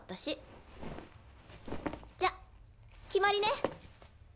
じゃ決まりね。